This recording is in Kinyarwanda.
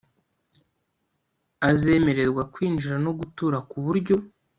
Azemererwa kwinjira no gutura ku buryo